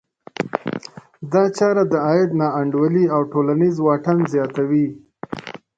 دا چاره د عاید نا انډولي او ټولنیز واټن زیاتوي.